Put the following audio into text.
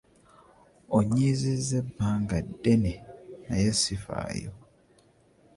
Onnyiizizza ebbanga ddene naye ssifaayo.